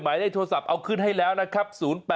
หมายได้โทรศัพท์เอาคืนให้แล้วนะครับ๐๘๖๘๓๑๒๖๑๖